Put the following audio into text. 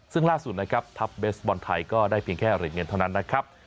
ซึ่งล่าสุดนะครับทัพเบสบอลไทยก็ได้เพียงแค่เหรียญเงินเท่านั้นนะครับ